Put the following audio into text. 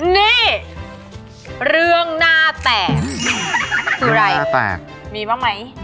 นี่เรื่องหน้าแตกคืออะไรหน้าแตกมีบ้างไหม